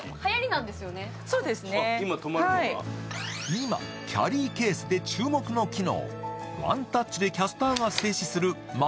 今、キャリーケースで注目の機能。